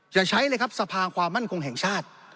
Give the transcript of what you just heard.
อย่าใช้เลยครับสภาความมั่นคงแห่งชาติ